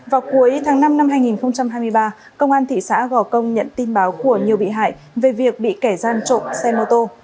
vào cuối tháng năm năm hai nghìn hai mươi ba công an thị xã gò công nhận tin báo của nhiều bị hại về việc bị kẻ gian trộm xe mô tô